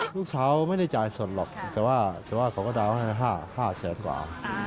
เช้าไม่ได้จ่ายสดหรอกแต่ว่าเขาก็ดาวน์ให้๕แสนกว่า